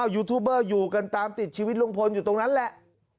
ยูทูบเบอร์อยู่กันตามติดชีวิตลุงพลอยู่ตรงนั้นแหละ